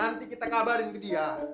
nanti kita ngabarin ke dia